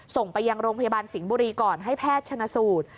ส่งไปยังโรงพยาบาลสิงห์บุรีก่อนให้แพทย์ชนะสูตร